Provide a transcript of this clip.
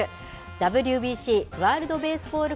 ＷＢＣ・ワールドベースボール